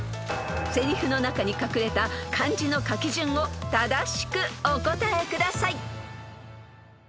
［せりふの中に隠れた漢字の書き順を正しくお答えください］